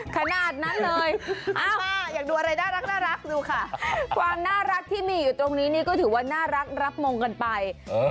ขนาดนั้นเลยอยากดูอะไรน่ารักดูค่ะความน่ารักที่มีอยู่ตรงนี้นี่ก็ถือว่าน่ารักรับมงกันไป